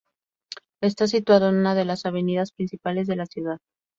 Está situado en una de las avenidas principales de la ciudad.